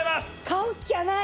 買うっきゃない！